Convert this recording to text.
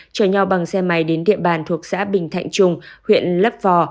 chở nhau bằng xe máy đến địa bàn thuộc xã bình thạnh trung huyện lấp vò